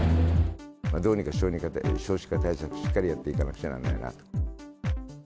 どうにか少子化対策、しっかりやっていかなくちゃならないな。